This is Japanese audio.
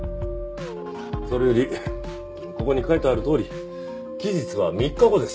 それよりここに書いてあるとおり期日は３日後です。